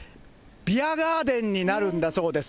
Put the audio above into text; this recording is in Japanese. ビアガーデンになるんだそうです。